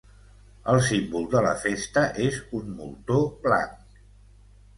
El símbol de la festa és un moltó blanc.